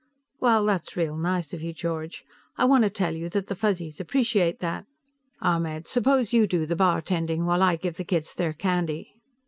"Well, that's real nice of you, George. I want to tell you that the Fuzzies appreciate that. Ahmed, suppose you do the bartending while I give the kids their candy."